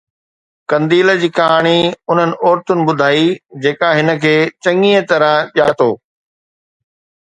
قنديل جي ڪهاڻي انهن عورتن ٻڌائي جيڪا هن کي چڱيءَ طرح ڄاتو